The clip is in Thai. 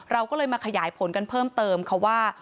เราก็เลยมาขยายผลกันเพิ่มเติมค่ะว่า